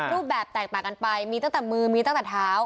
รูปแบบแตกต่างกันไปมีตั้งแต่มือมีตั้งแต่เท้า